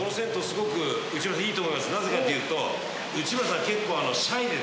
なぜかというと。